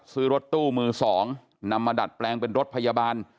ซื้อรถตู้มือสองนำมาดัดแปลงเป็นรถพยาบาล